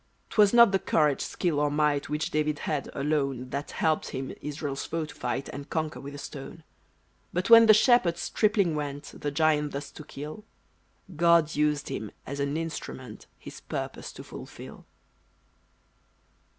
'Twas not the courage, skill, or might Which David had, alone, That helped him Israel's foe to fight And conquer, with a stone. But, when the shepherd stripling went The giant thus to kill, God used him as an instrument His purpose to fulfil!